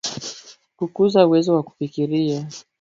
Kukuza uwezo wa kufikiri.